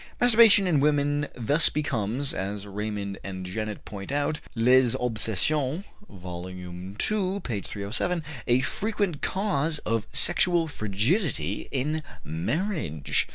Masturbation in women thus becomes, as Raymond and Janet point out (Les Obsessions, vol. ii, p. 307) a frequent cause of sexual frigidity in marriage.